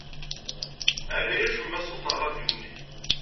Ɛlay acemma ṣṣut n rradyu-nni.